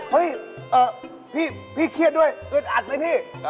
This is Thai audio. เฮ้ยพี่เครียดด้วยอึดอัดไหมพี่